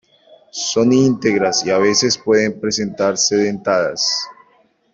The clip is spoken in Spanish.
Son íntegras y a veces pueden presentarse dentadas.